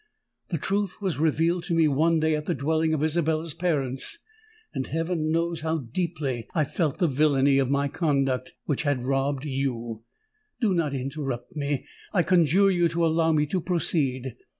The truth was revealed to me one day at the dwelling of Isabella's parents: and heaven knows how deeply I felt the villany of my conduct, which had robbed you! Do not interrupt me—I conjure you to allow me to proceed!